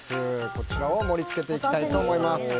こちらを盛り付けていきたいと思います。